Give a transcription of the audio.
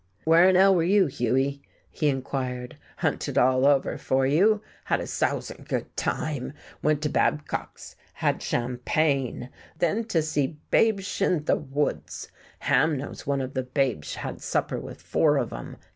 "Whereinell were you, Hughie?" he inquired. "Hunted all over for you. Had a sousin' good time. Went to Babcock's had champagne then to see Babesh in th' Woods. Ham knows one of the Babesh had supper with four of 'em.